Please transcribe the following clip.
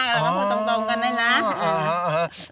แล้วก็พูดตรงตรงกันด้วยนะอ๋ออ๋ออ๋อ